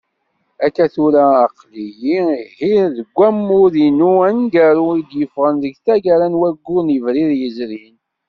Akka tura aql-i lhiɣ-d d wammud-inu aneggaru I d-yeffɣen deg taggara n wayyur n yebrir yezrin.